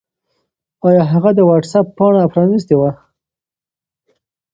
آیا هغه د وټس-اپ پاڼه پرانستې وه؟